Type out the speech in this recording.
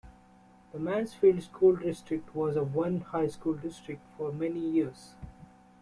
The Mansfield school district was a one high school district for many years.